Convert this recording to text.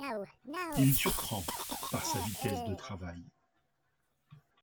Il surprend par sa vitesse de travail.